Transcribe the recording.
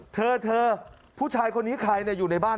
เธอผู้ชายคนนี้ใครอยู่ในบ้าน